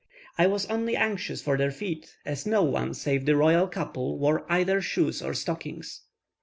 I was only anxious for their feet, as no one, save the royal couple, wore either shoes or stockings.